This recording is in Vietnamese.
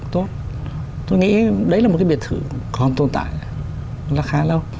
tốt tôi nghĩ đấy là một cái biệt thự còn tồn tại là khá lâu